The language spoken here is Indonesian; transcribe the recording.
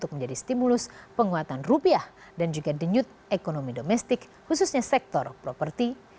menjadi stimulus penguatan rupiah dan juga denyut ekonomi domestik khususnya sektor properti